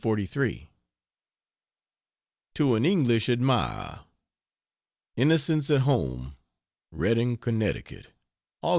To an English admirer: INNOCENCE AT HOME, REDDING, CONNECTICUT, Aug.